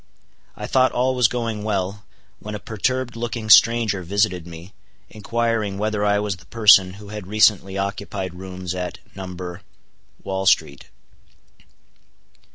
I thought all was going well, when a perturbed looking stranger visited me, inquiring whether I was the person who had recently occupied rooms at No.—Wall street.